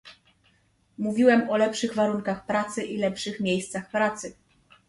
Mówiłem o lepszych warunkach pracy i lepszych miejscach pracy